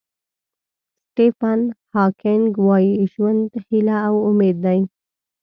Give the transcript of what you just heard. سټیفن هاکینګ وایي ژوند هیله او امید دی.